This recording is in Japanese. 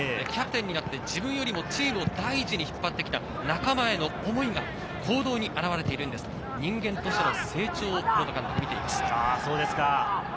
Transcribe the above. キャプテンになって、自分よりもチームを第一に引っ張ってきた仲間への思いが行動に現れているんですと、人間としての成長と監督は見ています。